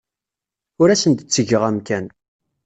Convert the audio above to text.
Ur asen-d-ttgeɣ amkan.